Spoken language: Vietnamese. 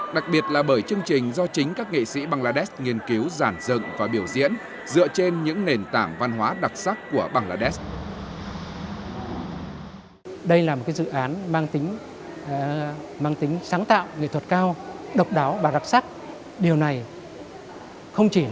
đặc biệt là bởi chương trình do chính các nghệ sĩ bangladesh nghiên cứu giản dựng và biểu diễn dựa trên những nền tảng văn hóa đặc sắc của bangladesh